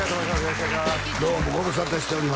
どうもご無沙汰しております